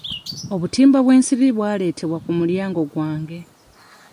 Obutimba bw'ensiri bwaletebwa ku mulyango gwange.